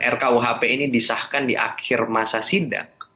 rkuhp ini disahkan di akhir masa sidang